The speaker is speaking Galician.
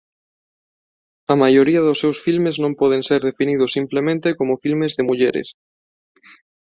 A maioría dos seus filmes non poden ser definidos simplemente como "filmes de mulleres".